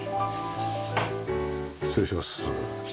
失礼します。